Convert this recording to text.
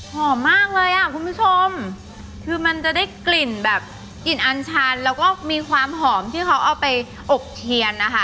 หอมมากเลยอ่ะคุณผู้ชมคือมันจะได้กลิ่นแบบกลิ่นอันชันแล้วก็มีความหอมที่เขาเอาไปอบเทียนนะคะ